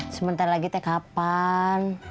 sebentar lagi teh kapan